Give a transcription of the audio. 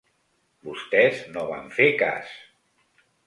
Vostès no van fer cas.